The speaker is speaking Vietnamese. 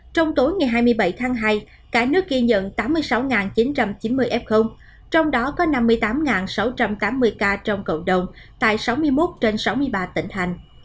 trong tối ngày hai mươi bảy tháng hai cả nước ghi nhận tám mươi sáu chín trăm chín mươi f trong đó có năm mươi tám sáu trăm tám mươi ca trong cộng đồng tại sáu mươi một trên sáu mươi ba tỉnh thành